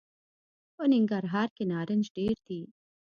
په ننګرهار کي نارنج ډېر دي .